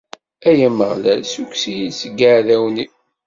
Ay Ameɣlal, ssukkes-iyi-d seg yiɛdawen-iw.